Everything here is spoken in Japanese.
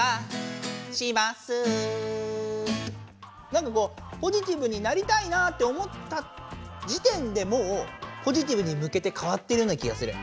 なんかこうポジティブになりたいなって思った時点でもうポジティブにむけてかわってるような気がする。